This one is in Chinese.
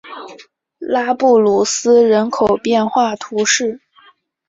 拉布鲁斯人口变化图示